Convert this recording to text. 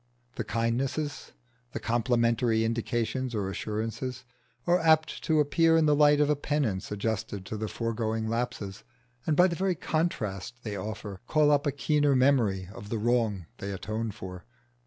The kindnesses, the complimentary indications or assurances, are apt to appear in the light of a penance adjusted to the foregoing lapses, and by the very contrast they offer call up a keener memory of the wrong they atone for.